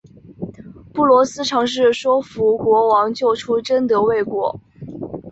布罗斯尝试说服国王救出贞德未果。